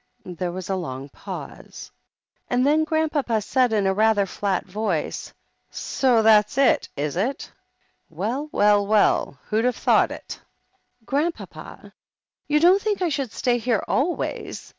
There was a long pause, and then Grandpapa said in rather a flat voice: "So that's it, is it? Well, well, well — ^who'd have thought it ?" "Grandpapa! you didn't think I should stay here always?"